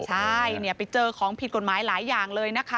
ใช่ไปเจอของผิดกฎหมายหลายอย่างเลยนะคะ